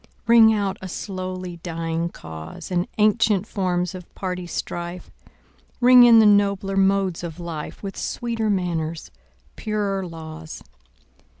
Ring out a slowly dying cause, And ancient forms of party strife; Ring in the nobler modes of life, With sweeter manners, purer laws.